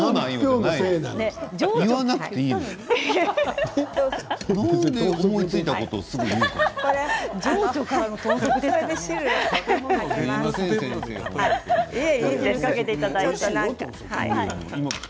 なんで思いついたことをすぐ言うのかな。